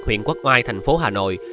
huyện quốc oai thành phố hà nội